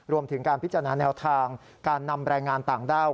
รวมถึงการพิจารณาแนวทางการนำแรงงานต่างด้าว